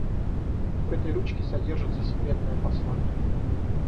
В этой ручке содержится секретное послание.